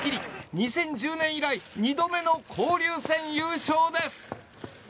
２０１０年以来２度目の交流戦優勝です。